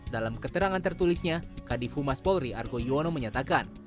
dalam keterangan tertulisnya kadif humas polri argo yuwono menyatakan